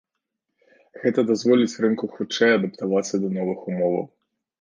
Гэта дазволіць рынку хутчэй адаптавацца да новых умоваў.